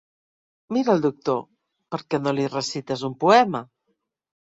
Mira el doctor, per què no li recites un poema?